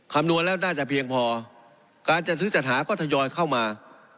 คำนวณแล้วน่าจะเพียงพอการจัดซื้อจัดหาก็ทยอยเข้ามา